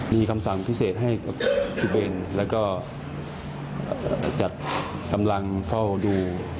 มีคำสั่งพิเศษให้กับพี่เบนแล้วก็จัดกำลังเฝ้าดู